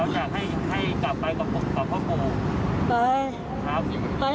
อย่ากลับลูกข้าวไว้